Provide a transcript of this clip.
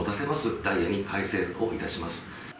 ダイヤに改正をいたします。